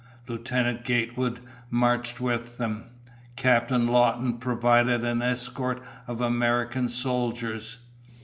Lieutenant Gatewood marched with them. Captain Lawton provided an escort of American soldiers.